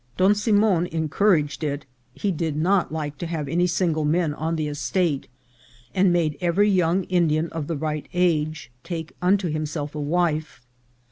Don Si mon encouraged it ; he did not like to have any single men on the estate, and made every young Indian of the right age take unto himself a wife.